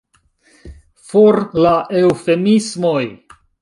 For la eŭfemismoj!